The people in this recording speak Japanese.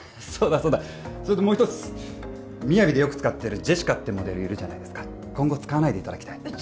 そうだそうだそれともう一つＭＩＹＡＶＩでよく使ってるジェシカってモデルいるじゃないですか今後使わないでいただきたい